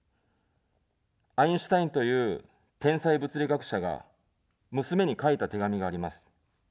アインシュタインという天才物理学者が娘に書いた手紙があります。